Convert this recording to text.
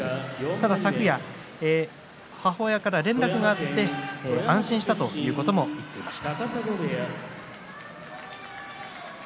ただ昨夜、母親から連絡があって安心したということも言っていました。